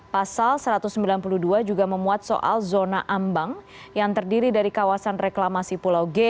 pasal satu ratus sembilan puluh dua juga memuat soal zona ambang yang terdiri dari kawasan reklamasi pulau g